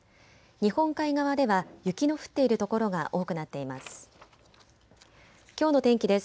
日本海側では雪の降っている所が多くなっています。